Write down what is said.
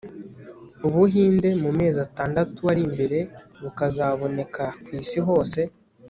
u buhinde mu mezi atandatu ari imbere bukazanaboneka ku isi hose